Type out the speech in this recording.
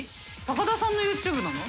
田さんのＹｏｕＴｕｂｅなの？